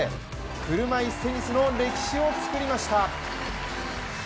車いすテニスの歴史を作りました。